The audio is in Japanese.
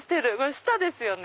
舌ですよね。